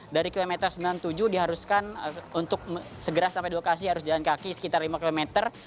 dari kilometer sembilan puluh tujuh diharuskan untuk segera sampai di lokasi harus jalan kaki sekitar lima kilometer